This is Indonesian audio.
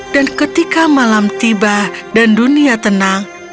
dan ketika malam tiba dan dunia tenang